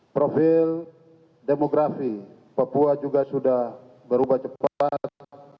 profil demografi papua juga sudah berubah cepat